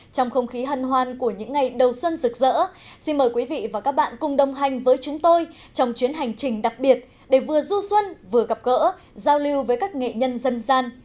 trong không khí hân hoan của những ngày đầu xuân rực rỡ xin mời quý vị và các bạn cùng đồng hành với chúng tôi trong chuyến hành trình đặc biệt để vừa du xuân vừa gặp gỡ giao lưu với các nghệ nhân dân gian